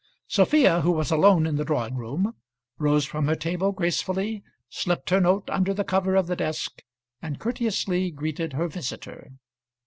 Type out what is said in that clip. Sophia, who was alone in the drawing room, rose from her table, gracefully, slipped her note under the cover of the desk, and courteously greeted her visitor.